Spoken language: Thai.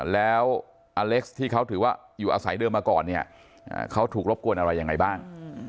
แล้วอเล็กซ์ที่เขาถือว่าอยู่อาศัยเดิมมาก่อนเนี่ยเขาถูกรบกวนอะไรยังไงบ้าง